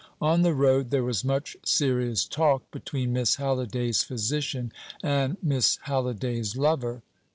On the road there was much serious talk between Miss Halliday's physician and Miss Halliday's lover.